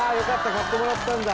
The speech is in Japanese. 買ってもらったんだ。